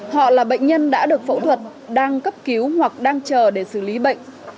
họ là bệnh nhân đã được phẫu thuật đang cấp cứu hoặc đang chờ để xử lý bệnh